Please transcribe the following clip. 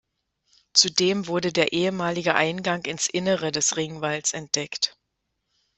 Zudem wurde der ehemalige Eingang ins Innere des Ringwalls entdeckt.